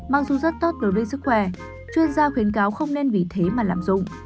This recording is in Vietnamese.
mặc dù rất tốt đối với sức khỏe chuyên gia khuyến cáo không nên vì thế mà lạm dụng